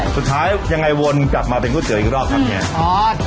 สุดท้ายยังไงวนกลับมาเป็นก๋วเตี๋อีกรอบครับเฮีย